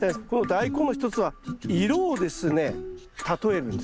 「大根」の一つは色をですね例えるんです。